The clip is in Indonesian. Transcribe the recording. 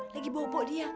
lagi bobok dia